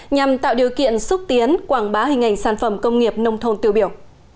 nhằm tạo điều kiện xúc tiến quảng bá hình ảnh sản phẩm công nghiệp nông thôn tiêu biểu